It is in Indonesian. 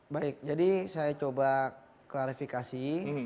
baik jadi saya coba klarifikasi